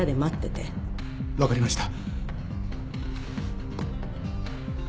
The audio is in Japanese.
分かりました。